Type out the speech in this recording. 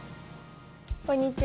こんにちは。